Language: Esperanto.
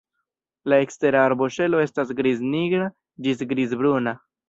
La ekstera arboŝelo estas griz-nigra ĝis griz-bruna.